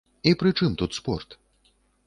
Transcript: І прычым тут спорт?